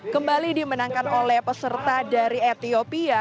kembali dimenangkan oleh peserta dari ethiopia